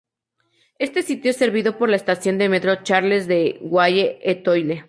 Este sitio es servido por la estación de metro Charles de Gaulle-Étoile.